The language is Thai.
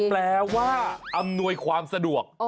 แปลว่าอำนวยความสะดวก